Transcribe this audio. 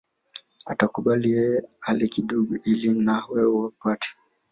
Atakubali yeye ale kidogo ili na wewe upate